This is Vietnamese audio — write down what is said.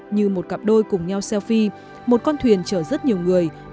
như một cặp đôi cùng nhau selfie một con thuyền chở rất nhiều người